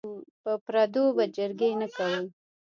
په پردو به جرګې نه کوو.